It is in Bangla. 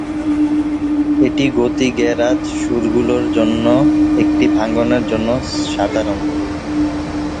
এটি গতি গ্যারেজ সুরগুলির জন্য একটি ভাঙ্গনের জন্য সাধারণ।